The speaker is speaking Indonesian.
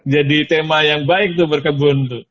jadi tema yang baik itu berkebun